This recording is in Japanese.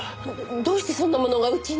どうしてそんなものがうちに？